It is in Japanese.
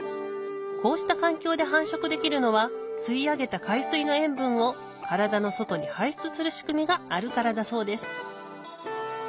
こうした環境で繁殖できるのは吸い上げた海水の塩分を体の外に排出する仕組みがあるからだそうです